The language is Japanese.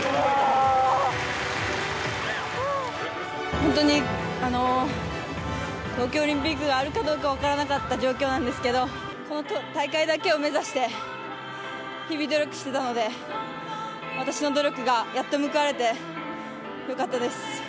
本当に東京オリンピックがあるかどうか分からなかった状況なんですけれども、この大会だけを目指して、日々努力してたので、私の努力がやっと報われてよかったです。